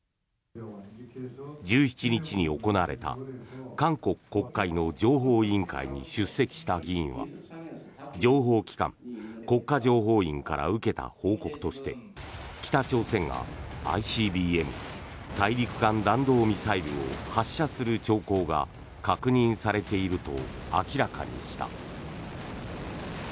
１７日に行われた韓国国会の情報委員会に出席した議員は情報機関、国家情報院から受けた報告として北朝鮮がＩＣＢＭ・大陸間弾道ミサイルを発射する兆候が確認されていると明らかにした。